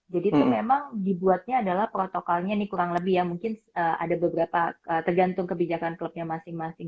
jadi itu memang dibuatnya adalah protokalnya nih kurang lebih ya mungkin ada beberapa tergantung kebijakan klubnya masing masing